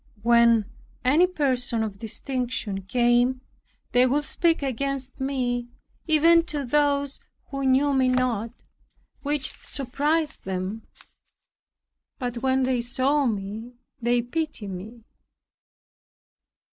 When any person of distinction came, they would speak against me; even to those who knew me not, which surprised them. But when they saw me they pitied me.